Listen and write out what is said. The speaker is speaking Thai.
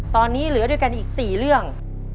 ตอนนี้เหลือด้วยกันอีก๔เรื่อง